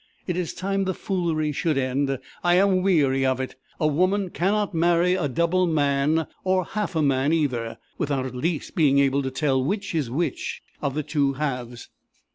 It is time the foolery should end! I am weary of it. A woman cannot marry a double man or half a man either without at least being able to tell which is which of the two halves!'